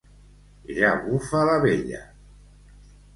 Ja bufa la vella.